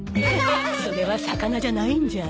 それは魚じゃないんじゃ？